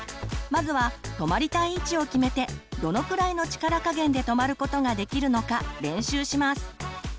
まずは止まりたい位置を決めてどのくらいの力加減で止まることができるのか練習します。